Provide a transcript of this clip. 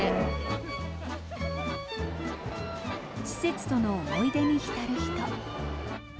施設との思い出に浸る人。